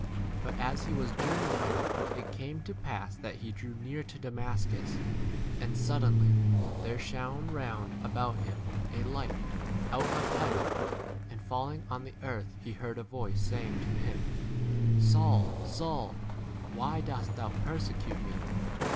But as he was journeying, it came to pass that he drew near to Damas cus, and suddenly there shone a round about him a light out of b 4 heaven, and falling on the earth he heard a voice saying to him, Saul, Saul, why dost thou perse 5 cute me